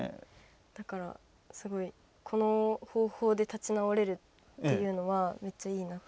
だから、すごい、この方法で立ち直れるっていうのはめっちゃいいなって。